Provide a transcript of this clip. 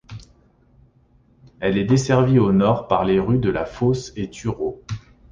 Elle est desservie au nord par les rues de la Fosse et Thurot.